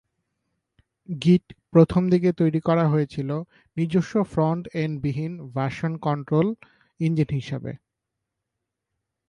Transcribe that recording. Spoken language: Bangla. গিট প্রথমদিকে তৈরি করা হয়েছিল নিজস্ব ফ্রন্ট-এন্ড বিহীন ভার্সন-কন্ট্রোল ইঞ্জিন হিসাবে।